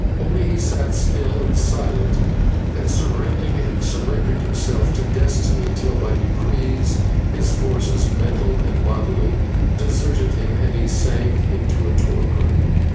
Only he sat still and silent and surrendered himself to destiny, till by degrees his forces, mental and bodily, deserted him and he sank into a torpor.